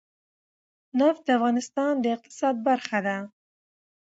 نفت د افغانستان د اقتصاد برخه ده.